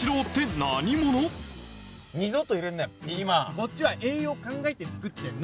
こっちは栄養考えて作ってんの。